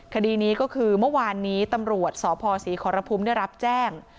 คดีนี้ก็คือเมื่อวานนี้ตำรวจสพศรีขอรพุมได้รับแจ้ง